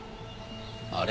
「あれ」？